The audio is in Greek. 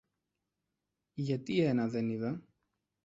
Γιατί ένα δεν είδα